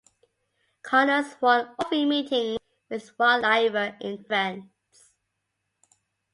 Connors won all three meetings with Rod Laver in tour events.